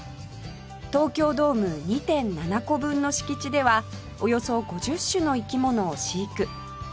東京ドーム ２．７ 個分の敷地ではおよそ５０種の生き物を飼育